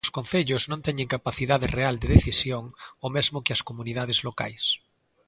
Os concellos non teñen capacidade real de decisión, o mesmo que as comunidades locais.